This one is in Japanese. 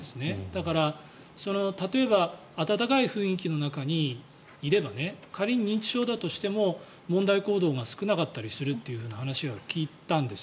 だから、例えば温かい雰囲気の中にいれば仮に認知症だとしても問題行動が少なかったりするというふうな話を聞いたんです。